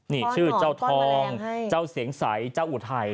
นี่ชื่อเจ้าทองเจ้าเสียงใสเจ้าอุทัย